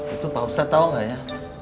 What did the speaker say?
itu pak ustaz tahu gak ya